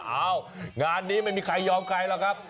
อ้าวงานนี้ไม่มีใครยอมใครหรอกครับ